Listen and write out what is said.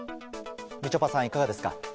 みちょぱさん、いかがですか？